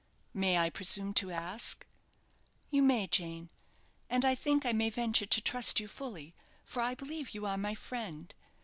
"May I presume to ask " "You may, Jane; and I think I may venture to trust you fully, for I believe you are my friend.